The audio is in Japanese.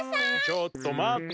ちょっと待っと！